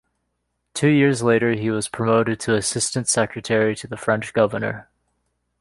Two years later he was promoted to assistant secretary to the French governor.